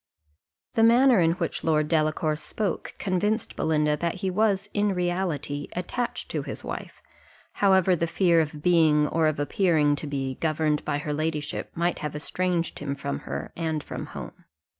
The manner in which Lord Delacour spoke convinced Belinda that he was in reality attached to his wife, however the fear of being, or of appearing to be, governed by her ladyship might have estranged him from her, and from home.